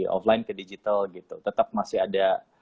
offline ke digital gitu tetap masih ada